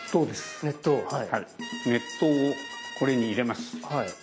熱湯を、これに入れます。